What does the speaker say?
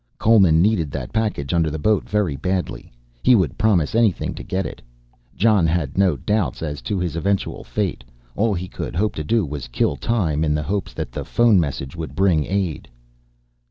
Coleman needed that package under the boat very badly, he would promise anything to get it. Jon had no doubts as to his eventual fate, all he could hope to do was kill time in the hopes that the phone message would bring aid.